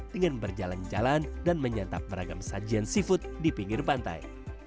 dengan berjalan jalan dan menyantap beragam sajian seafood di pinggir pantai